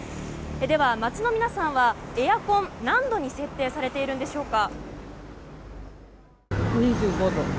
では、街の皆さんはエアコンを何度に設定されているんでしょうか。